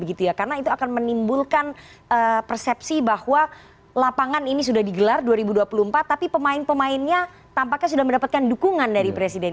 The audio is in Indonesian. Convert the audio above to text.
karena itu akan menimbulkan persepsi bahwa lapangan ini sudah digelar dua ribu dua puluh empat tapi pemain pemainnya tampaknya sudah mendapatkan dukungan dari presiden